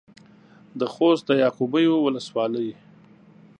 د خوست د يعقوبيو ولسوالۍ.